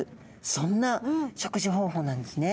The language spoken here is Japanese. そんな食事方法なんですね。